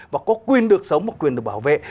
và có quyền được sống và quyền được bảo vệ